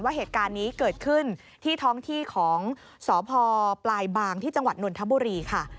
เหตุการณ์นี้เกิดขึ้นที่ท้องที่ของสพปลายบางที่จังหวัดนนทบุรีค่ะ